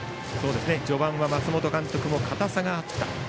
序盤は松本監督も硬さがあったと。